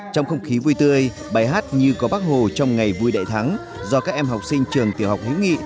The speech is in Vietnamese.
trong không khí vui tươi bài hát như có bác hồ trong ngày vui đại thắng do các em học sinh trường tiểu học hữu nghị